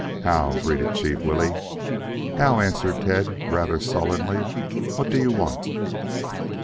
"How," greeted Chief Willy. "How," answered Tad rather sullenly. "What do you want?"